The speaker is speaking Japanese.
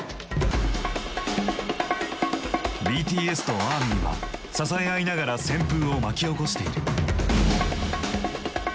ＢＴＳとアーミーは支え合いながら旋風を巻き起こしている。